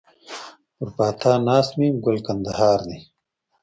پر پاتا ناست مي ګل کندهار دی